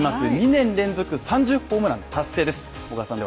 ２年連続３０ホームラン達成です。